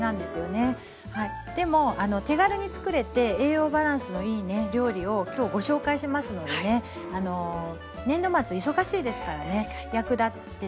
でも手軽に作れて栄養バランスのいい料理を今日ご紹介しますのでね年度末忙しいですからね役立てて頂きたいと思ってます。